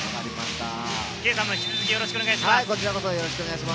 圭さんも引き続きよろしくお願いします。